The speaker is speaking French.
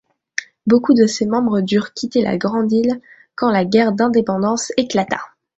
Beaucoup de ses membres durent quitter la grande île quand la guerre d’indépendance éclata.